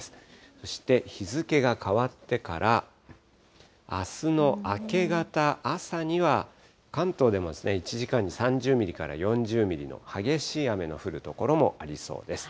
そして日付が変わってから、あすの明け方、朝には関東でもですね、１時間に３０ミリから４０ミリの激しい雨の降る所もありそうです。